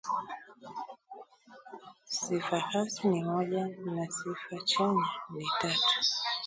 Sifa hasi ni moja na sifa chanya ni tatu